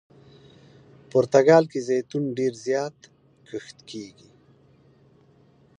پرتګال کې زیتون ډېر زیات کښت کیږي.